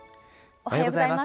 おはようございます。